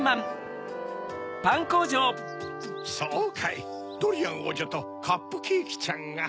・そうかいドリアンおうじょとカップケーキちゃんが・